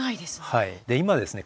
今ですね